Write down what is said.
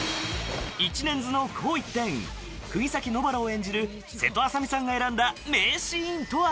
１年ズの紅一点釘崎野薔薇を演じる瀬戸麻沙美さんが選んだ名シーンとは？